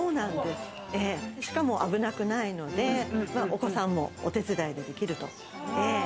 しかも危なくないので、お子さんもお手伝いできると。